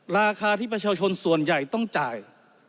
ราคาที่ประชาชนส่วนใหญ่ต้องจ่าย